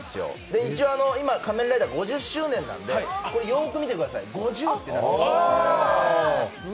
今「仮面ライダー」５０周年なんで、よく見てください、５０ってなってる。